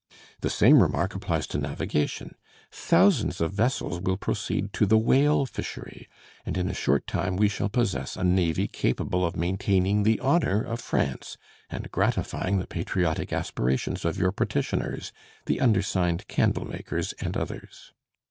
The same remark applies to navigation. Thousands of vessels will proceed to the whale fishery; and in a short time we shall possess a navy capable of maintaining the honor of France, and gratifying the patriotic aspirations of your petitioners, the under signed candle makers and others.